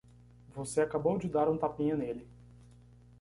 Você acabou de dar um tapinha nele.